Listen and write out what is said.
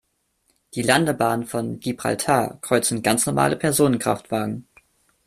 Die Landebahn von Gibraltar kreuzen ganz normale Personenkraftwagen.